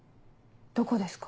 どこですか？